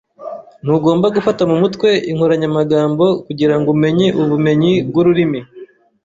Ntugomba gufata mu mutwe inkoranyamagambo kugirango umenye ubumenyi bwururimi.